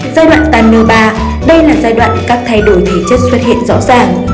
giai đoạn tàn nơ ba đây là giai đoạn các thay đổi thể chất xuất hiện rõ ràng